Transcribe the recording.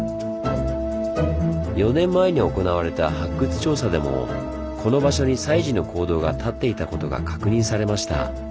４年前に行われた発掘調査でもこの場所に西寺の講堂が立っていたことが確認されました。